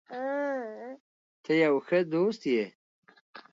ته یو ښه دوست یې.